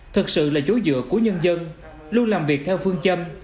thực sự là dối dựa của nhân dân luôn làm việc theo phương châm